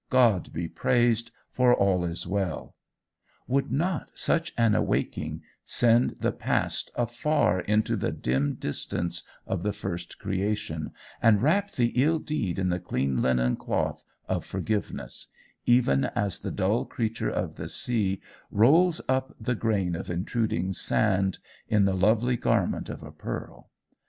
God be praised, for all is well!' would not such an awaking send the past afar into the dim distance of the first creation, and wrap the ill deed in the clean linen cloth of forgiveness, even as the dull creature of the sea rolls up the grain of intruding sand in the lovely garment of a pearl?